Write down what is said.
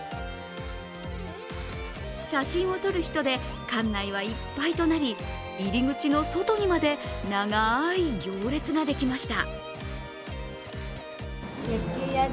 写真を撮る人で館内はいっぱいとなり、入り口の外にまで長い行列ができました。